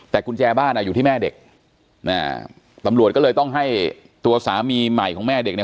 แต่กุญแจบ้านอ่ะอยู่ที่แม่เด็กตำรวจก็เลยต้องให้ตัวสามีใหม่ของแม่เด็กเนี่ย